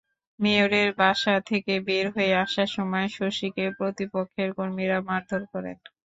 মেয়রের বাসা থেকে বের হয়ে আসার সময় শশীকে প্রতিপক্ষের কর্মীরা মারধর করেন।